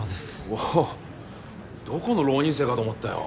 おぉどこの浪人生かと思ったよ。